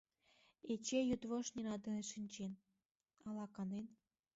Эчей йӱдвошт Нина дене шинчен... ала канен...